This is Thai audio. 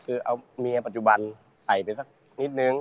คือเอาเมียปัจจุบันใส่ไปสักนิดนึง